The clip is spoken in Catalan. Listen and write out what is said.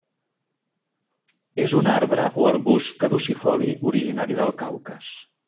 És un arbre o arbust caducifoli originari del Caucas.